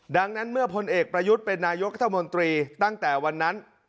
ดังนั้นเมื่อพลเอกประยุทธ์เป็นนายกรัฐมนตรีตั้งแต่วันนั้น